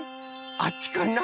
あっちかな？